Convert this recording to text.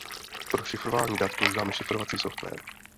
Pro šifrování dat používáme šifrovací software.